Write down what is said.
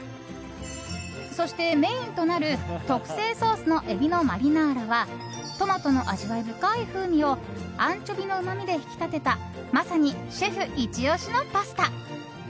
そして、メインとなる特製ソースの海老のマリナーラはトマトの味わい深い風味をアンチョビのうまみで引き立てたまさにシェフイチ押しのパスタ。